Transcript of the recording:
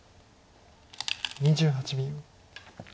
２８秒。